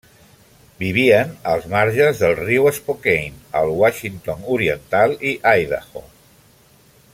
Vivien als marges del riu Spokane, al Washington Oriental i Idaho.